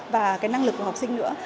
và cái năng lực của học sinh nữa